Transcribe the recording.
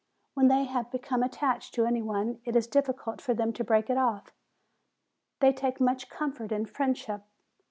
When they have become attached to any one, it is difficult for them to break it off. They take much comfort in friendship.